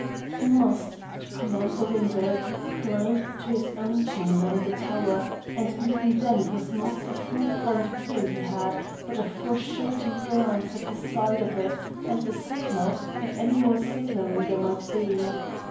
He must, to command the window, climb to his own chamber in the tower, and even then it was not a full front view he had, but a foreshortened glance at the side of it and the signal, if any more signalling there might be.